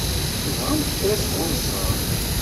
Tebɣamt kra sɣur-sen?